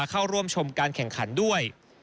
เข้าร่วมชมการแข่งขันด้วย